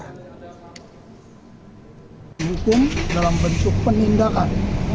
hukum dalam bentuk penindakan